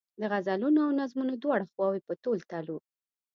د غزلونو او نظمونو دواړه خواوې په تول تلو.